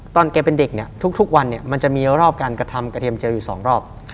ตอนแกเป็นเด็กทุกวันมันจะมีรอบการกระทำกระเทียมเจียวอยู่๒รอบ